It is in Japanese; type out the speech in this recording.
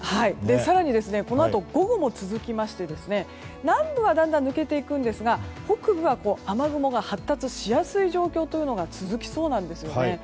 更に、このあと午後も続きまして南部はだんだん抜けていくんですが北部は雨雲が発達しやすい状況が続きそうなんですよね。